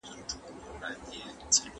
عالمونو زنده باد نارې وهلې